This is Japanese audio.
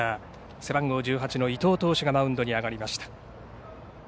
背番号１８の伊藤投手がマウンドに上がりました。